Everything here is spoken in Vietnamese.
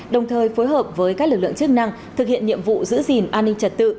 đồng thời phối hợp với các lực lượng chức năng thực hiện nhiệm vụ giữ gìn an ninh trật tự